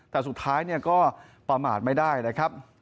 แต่สุดท้ายก็ประมาทไม่ได้นะครับ